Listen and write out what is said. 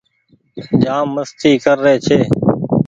جآم مستي ڪر ري ڇي